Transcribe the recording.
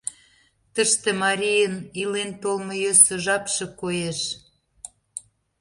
Тыште марийын илен-толмо йӧсӧ жапше коеш...